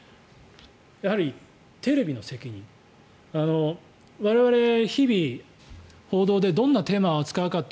やはりテレビの責任我々、日々報道でどんなテーマを扱うかって